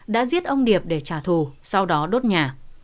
đã giết ông điệp để trả thù sau đó đốt nhà